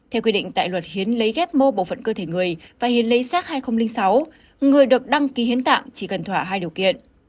theo quy định tại luật hiến lấy ghép mô bộ phận cơ thể người và hiến lấy sát hai nghìn sáu người được đăng ký hiến tạng chỉ cần thỏa hai điều kiện